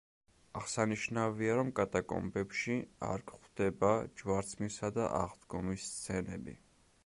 აღსანიშნავია, რომ კატაკომბებში არ გვხვდება ჯვარცმისა და აღდგომის სცენები.